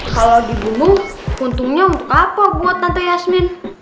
kalau dibunuh untungnya untuk apa buat tante yasmin